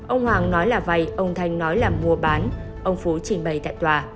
ông hoàng nói là vay ông thanh nói là mua bán ông phú trình bày tại tòa